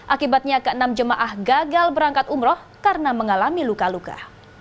akibatnya ke enam jemaah gagal berangkat umroh karena mengalami luka luka